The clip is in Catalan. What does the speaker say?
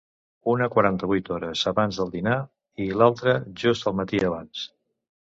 Una quaranta-vuit hores abans del dinar i l’altre just al matí abans.